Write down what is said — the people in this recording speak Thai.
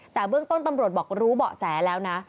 แต่เบื้องต้นตำรวจบอกรู้เบาะแสแล้วนะ